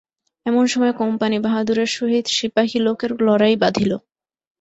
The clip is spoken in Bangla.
এমনসময় কোম্পানি বাহাদুরের সহিত সিপাহিলোকের লড়াই বাধিল।